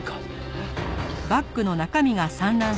えっ？